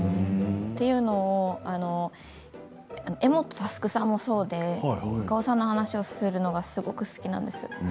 というのを柄本佑さんもそうで若尾さんの話をするのがすごく好きなんです。